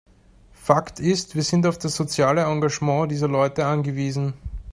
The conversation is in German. Fakt ist, wir sind auf das soziale Engagement dieser Leute angewiesen.